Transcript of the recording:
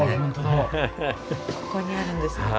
ここにあるんですか？